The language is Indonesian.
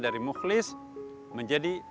dari mukhlis menjadi